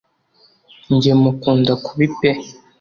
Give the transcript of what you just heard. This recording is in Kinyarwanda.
njye mukunda kubi pe